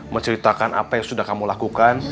menceritakan apa yang sudah kamu lakukan